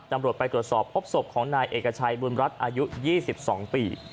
ตำรวจไปตรวจสอบพบศพของนายเอกชัยบุญรัฐอายุ๒๒ปี